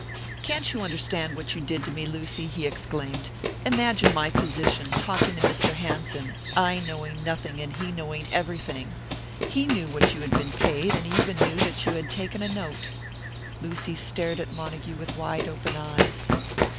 "Can't you understand what you did to me, Lucy?" he exclaimed. "Imagine my position, talking to Mr. Hanson, I knowing nothing and he knowing everything. He knew what you had been paid, and he even knew that you had taken a note." Lucy stared at Montague with wide open eyes.